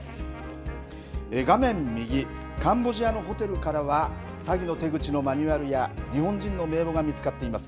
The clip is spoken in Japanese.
画面右、カンボジアのホテルからは、詐欺の手口のマニュアルや日本人の名簿が見つかっています。